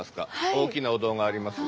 大きなお堂があります。